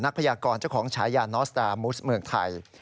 นักพยากรเจ้าของชายานอสตาร์มุษย์เมืองไทย